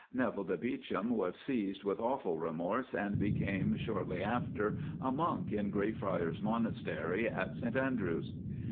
Neville de Beauchamp was seized with awful remorse, and became shortly after a monk in Greyfriars Monastery at St Andrews.